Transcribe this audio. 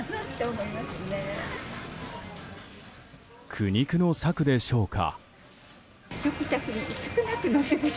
苦肉の策でしょうか。